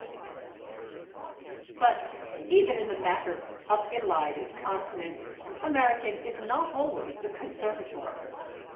" But even in the matter of elided consonants American is not always the conservator.